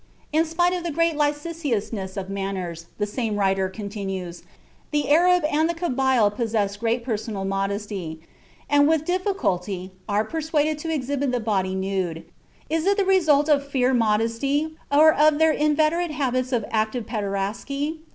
"In spite of the great licentiousness of the manners," the same writer continues, "the Arab and the Kabyle possess great personal modesty, and with difficulty are persuaded to exhibit the body nude; is it the result of real modesty, or of their inveterate habits of active pederasty?